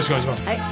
はい。